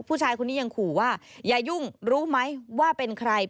ผู้ชายคนนี้ยังขู่ว่าอย่ายุ่งรู้ไหมว่าเป็นใคร